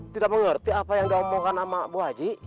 tidak mengerti apa yang dia omongkan sama bu aji